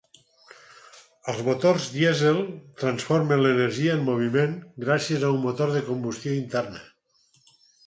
Els motors dièsel transformen l’energia en moviment, gràcies a un motor de combustió interna.